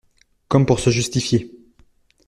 Comme pour se justifier.